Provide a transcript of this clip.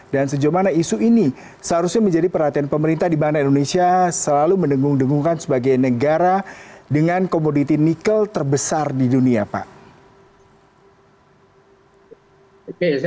dan sejauh mana isu ini seharusnya menjadi perhatian pemerintah di mana indonesia selalu mendengung dengungkan sebagai negara dengan komoditi nikel terbesar di dunia pak